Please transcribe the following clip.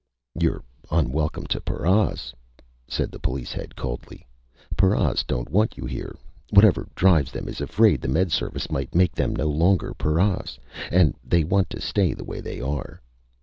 "You're unwelcome to paras," said the police head coldly. "Paras don't want you here. Whatever drives them is afraid the Med Service might make them no longer paras. And they want to stay the way they are."